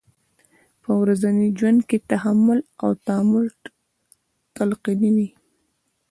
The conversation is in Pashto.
په ورځني ژوند کې تحمل او تامل تلقینوي.